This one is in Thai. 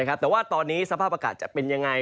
แต่ว่าตอนนี้สภาพอากาศจะเป็นยังไง